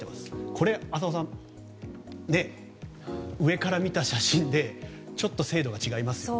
これ、浅尾さん上から見た写真ですがちょっと精度が違いますね。